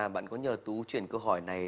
bạn có nhờ tú chuyển câu hỏi này